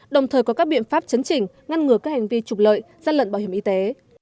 đồng thời có các biện pháp chấn chỉnh ngăn ngừa các hành vi trục lợi gian lận bảo hiểm y tế